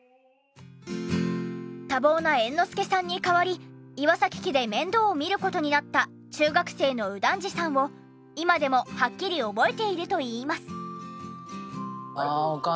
多忙な猿之助さんに代わり岩崎家で面倒を見る事になった中学生の右團次さんを今でもはっきり覚えていると言います。